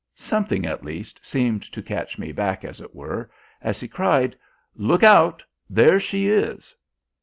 Something, at least, seemed to catch me back, as it were, as he cried, "Look out, there she is!"